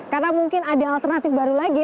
karena mungkin ada alternatif baru lagi